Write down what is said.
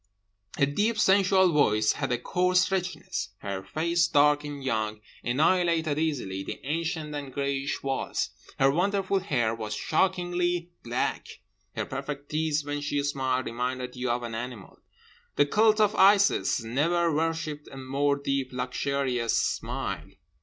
Her deep sensual voice had a coarse richness. Her face, dark and young, annihilated easily the ancient and greyish walls. Her wonderful hair was shockingly black. Her perfect teeth, when she smiled, reminded you of an animal. The cult of Isis never worshipped a more deep luxurious smile.